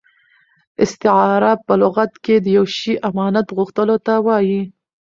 استعاره په لغت کښي د یوه شي امانت غوښتلو ته وايي.